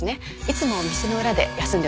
いつも店の裏で休んでます。